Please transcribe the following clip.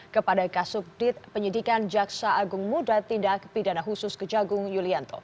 kepada kasubdit penyidikan jaksa agung muda tindak pidana khusus kejagung yulianto